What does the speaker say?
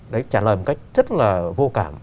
đấy trả lời một cách rất là vô cảm